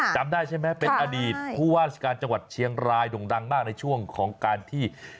จำได้ใช่ไหมเป็นอดีตผู้ว่าราชการจังหวัดเชียงรายด่งดังมากในช่วงของการที่